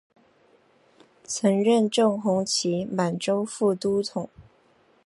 曾任正红旗满洲副都统。